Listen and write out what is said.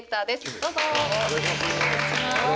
どうぞ。